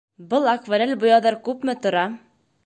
Был акварель буяуҙар күпме тора?